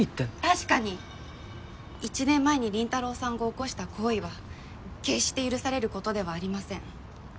確かに１年前に倫太郎さんが起こした行為は決して許されることではありません。